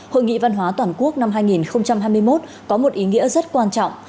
hội nghị văn hóa toàn quốc năm hai nghìn hai mươi một có một ý nghĩa rất quan trọng